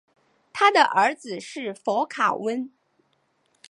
他的儿子是佛卡温。